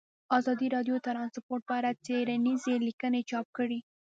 ازادي راډیو د ترانسپورټ په اړه څېړنیزې لیکنې چاپ کړي.